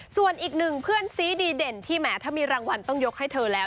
ส่วนอีกหนึ่งเพื่อนซีดีเด่นที่แหมถ้ามีรางวัลต้องยกให้เธอแล้ว